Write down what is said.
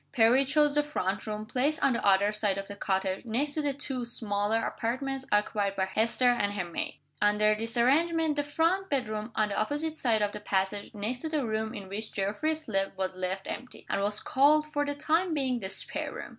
Perry chose the front room, placed on the other side of the cottage, next to the two smaller apartments occupied by Hester and her maid. Under this arrangement, the front bedroom, on the opposite side of the passage next to the room in which Geoffrey slept was left empty, and was called, for the time being, the spare room.